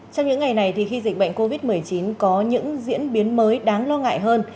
trong những ngày này thì khi dịch bệnh covid một mươi chín có những diễn biến mới đáng lo ngại hơn